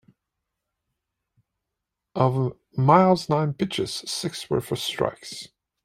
Of Miles' nine pitches, six were for strikes.